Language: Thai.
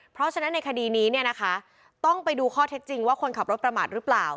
เพราะฉะนั้นในคดีนี้เนี่ยนะคะต้องไปดูข้อเท็จจริงว่าคนขับรถประมาทหรือเปล่า